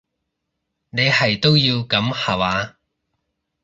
你係都要噉下話？